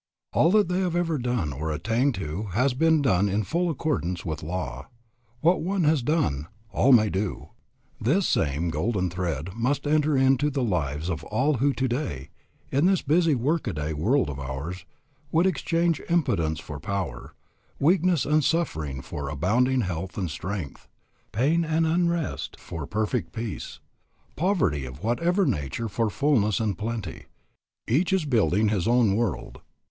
All that they have ever done or attained to has been done in full accordance with law. What one has done, all may do. This same golden thread must enter into the lives of all who today, in this busy work a day world of ours, would exchange impotence for power, weakness and suffering for abounding health and strength, pain and unrest for perfect peace, poverty of whatever nature for fullness and plenty. Each is building his own world.